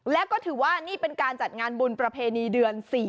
แล้วก็ถือว่านี่เป็นการจัดงานบุญประเพณีเดือน๔